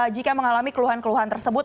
jika mengalami keluhan keluhan tersebut